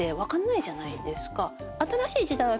新しい時代は。